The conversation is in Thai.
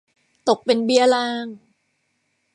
ตกเป็นเบี้ยล่าง